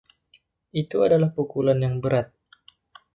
Itu adalah pukulan yang berat.